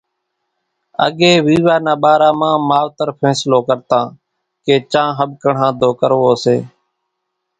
اڳيَ ويوا نا ٻارا مان ماوتر ڦينصلو ڪرتان ڪي چان ۿٻڪڻ ۿانڌو ڪروو سي۔